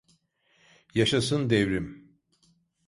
Yaşasın devrim!